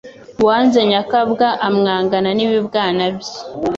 Uwanze nyakabwa ,amwangana n’ibibwana bye